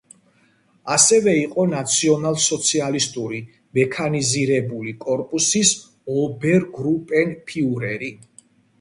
ასევე იყო ნაციონალ-სოციალისტური მექანიზირებული კორპუსის ობერგრუპენფიურერი.